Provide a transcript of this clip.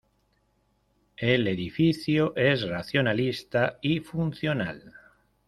El edificio es racionalista y funcional.